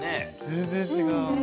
全然違う。